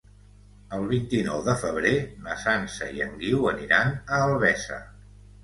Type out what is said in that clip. El vint-i-nou de febrer na Sança i en Guiu aniran a Albesa.